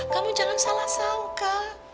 kamu jangan salah sangka